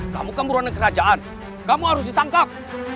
kamu kan buruan kerajaan kamu harus ditangkap